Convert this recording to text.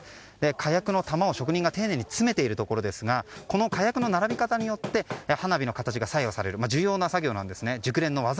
火薬の玉を職人が丁寧に詰めているところですがこの火薬の並び方によって花火の形が左右される重要な作業なんです。